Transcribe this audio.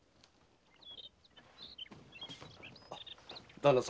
旦那様